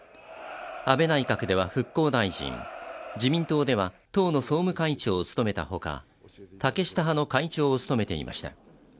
安倍内閣では復興大臣、自民党では党の総務会長を務めたほか、竹下派の会長を務めていました。